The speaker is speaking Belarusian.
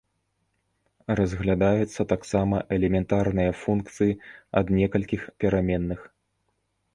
Разглядаюцца таксама элементарныя функцыі ад некалькіх пераменных.